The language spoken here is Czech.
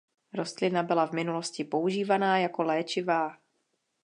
Rostlina byla v minulosti používaná jako léčivá.